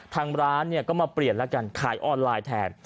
ทางร้านก็มาเปลี่ยนแล้วกันขายออนไลน์แทน